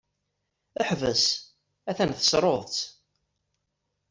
Ḥbes! a-t-an tessruḍ-t!